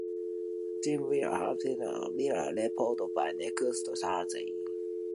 Jim will have written the report by next Thursday.